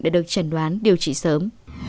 để được chẩn đoán điều trị sớm